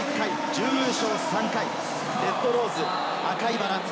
準優勝３回、レッドローズ、赤いバラ。